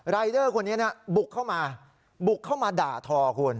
รายเดอร์คนนี้บุกเข้ามาบุกเข้ามาด่าทอคุณ